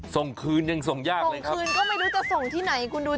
ส่งคืนยังส่งยากเลยครับคืนก็ไม่รู้จะส่งที่ไหนคุณดู